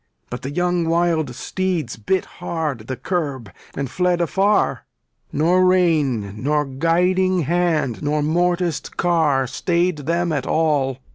But the young Wild steeds bit hard the curb, and fled afar; Nor rein nor guiding hand nor morticed car Stayed them at all.